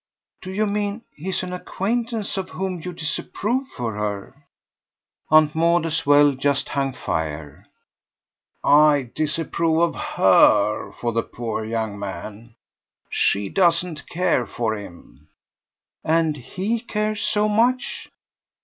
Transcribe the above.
"Do you mean he's an acquaintance of whom you disapprove for her?" Aunt Maud, as well, just hung fire. "I disapprove of HER for the poor young man. She doesn't care for him." "And HE cares so much